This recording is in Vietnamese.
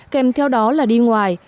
kèm theo đó là đi ngoài